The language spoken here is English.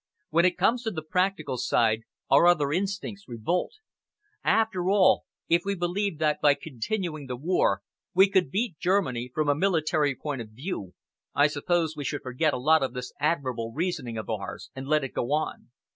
When it comes to the practical side, our other instincts revolt. After all, if we believed that by continuing the war we could beat Germany from a military point of view, I suppose we should forget a lot of this admirable reasoning of ours and let it go on."